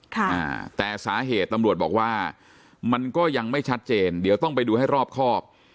อ่าแต่สาเหตุตำรวจบอกว่ามันก็ยังไม่ชัดเจนเดี๋ยวต้องไปดูให้รอบครอบ